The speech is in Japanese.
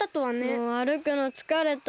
もうあるくのつかれた。